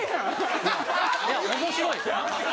いや面白いですよ。